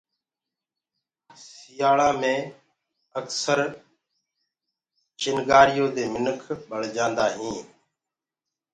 سيآݪآ مي اڪسر چِڻگي دي منک بݪجآندآ هين۔